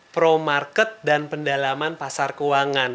pro market dan pendalaman pasar keuangan